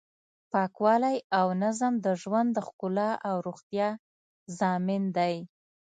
پاکوالی او نظم د ژوند د ښکلا او روغتیا ضامن دی.